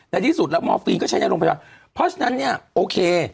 ในที่สุดแล้วมอร์ฟีนก็ใช้ในโรงพยาบาลเพราะฉะนั้นเนี่ยโอเค